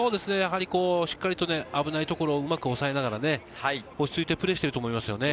しっかりと危ないところをうまく抑えながら落ちついてプレーしていると思いますね。